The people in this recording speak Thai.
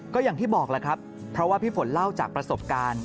ก็อย่างที่บอกแหละครับเพราะว่าพี่ฝนเล่าจากประสบการณ์